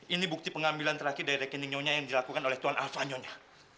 ini bukti pengambilan terakhir dari rekening nyonya yang dilakukan oleh tuan alvan ya